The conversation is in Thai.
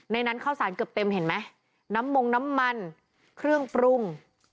ในนั้นข้าวสารเกือบเต็มเห็นไหมน้ำมงน้ำมันเครื่องปรุง